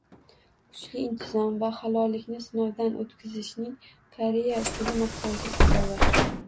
Kuchli intizom va halollikni sinovdan o'tkazishning Koreya usuli maqtovga sazovor